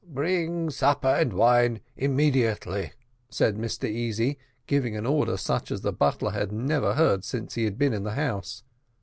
"Bring supper and wine immediately," said Mr Easy, giving an order such as the butler had never heard since he had been in the house.